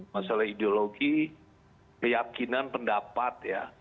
masalah ideologi keyakinan pendapat ya